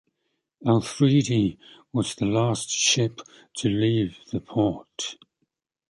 "Afridi" was the last ship to leave the port.